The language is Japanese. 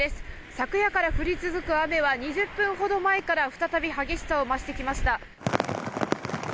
昨夜から降り続く雨は２０分ほど前から再び激しさを増してきました。